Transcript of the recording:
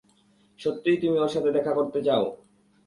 সত্যিই তুমি ওর সাথে দেখা করতে চাও?